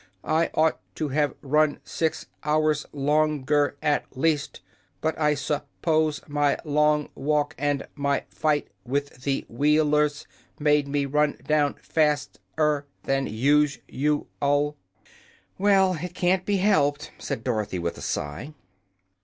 "I ought to have run six hours lon ger, at least, but I sup pose my long walk and my fight with the Wheel ers made me run down fast er than us u al." "Well, it can't be helped," said Dorothy, with a sigh.